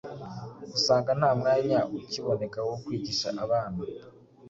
Usanga nta mwanya ukiboneka wo kwigisha abana,